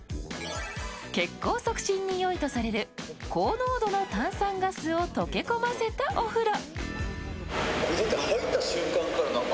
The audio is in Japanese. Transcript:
血行促進にいいとされる高濃度の炭酸ガスを溶け込ませたお風呂。